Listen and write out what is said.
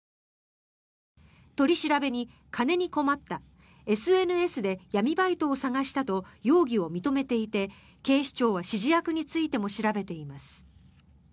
取り調べに、金に困ったＳＮＳで闇バイトを探したと容疑を認めていて警視庁は指示役についても調べています。